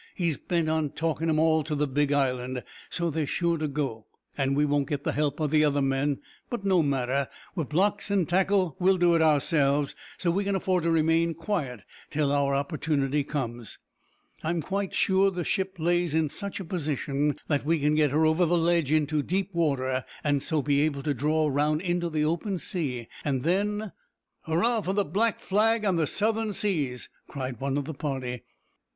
He's bent on takin' 'em all to the big island, so they're sure to go, and we won't get the help o' the other men: but no matter; wi' blocks an' tackle we'll do it ourselves, so we can afford to remain quiet till our opportunity comes. I'm quite sure the ship lays in such a position that we can get her over the ledge into deep water, and so be able to draw round into the open sea, and then " "Hurrah for the black flag and the southern seas," cried one of the party.